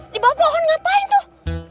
di bawah pohon ngapain tuh